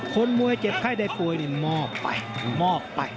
คนมวยเจ็บไข้ได้ป่วยมอกไป